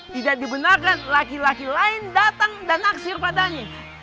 tidak dibenarkan laki laki lain datang dan naksir padanya